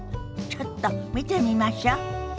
ちょっと見てみましょ。